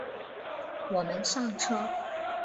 我们上车